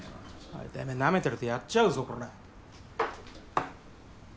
おいてめぇなめてるとやっちゃうぞこら。